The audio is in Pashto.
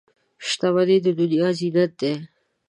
• شتمني د دنیا زینت دی.